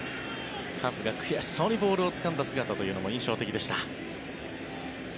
カッブが悔しそうにボールをつかんだ姿も印象的でした。